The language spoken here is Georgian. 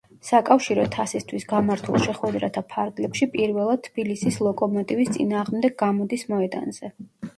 საკავშირო თასისთვის გამართულ შეხვედრათა ფარგლებში პირველად თბილისის „ლოკომოტივის“ წინააღმდეგ გამოდის მოედანზე.